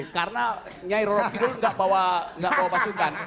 karena nyai rocky dulu nggak bawa pasukan